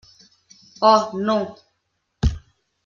Oh no.